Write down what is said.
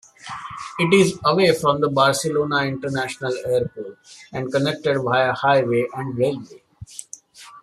It is away from the Barcelona International Airport and connected via highway and railway.